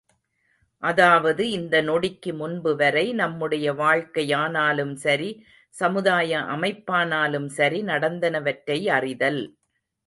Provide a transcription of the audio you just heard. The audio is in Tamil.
அதாவது இந்த நொடிக்கு முன்புவரை நம்முடைய வாழ்க்கையானாலும் சரி சமுதாய அமைப்பானாலும் சரி நடந்தனவற்றை அறிதல்.